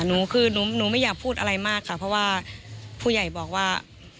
หนูคือหนูไม่อยากพูดอะไรมากค่ะเพราะว่าผู้ใหญ่บอกว่า